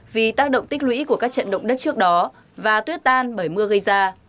vì tác động tích lũy của các trận động đất trước đó và tuyết tan bởi mưa gây ra